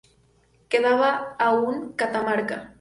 Quedaba aún Catamarca.